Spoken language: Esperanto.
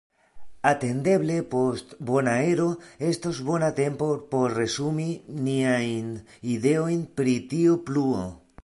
Atendeble post Bonaero estos bona tempo por resumi niajn ideojn pri tiu pluo.